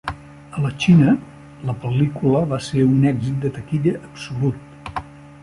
A la Xina, la pel·lícula va ser un èxit de taquilla absolut.